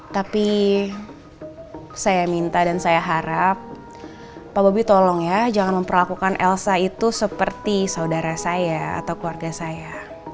tapi saya minta dan saya harap pak bobi tolong ya jangan memperlakukan elsa itu seperti saudara saya atau keluarga saya